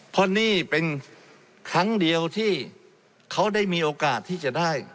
เพราะนี่เป็นครั้งเดียวที่เขาได้มีโอกาสที่จะได้